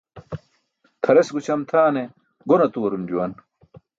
Tʰares gućʰam tʰaane gon atuwarum juwan.